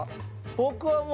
僕はもう。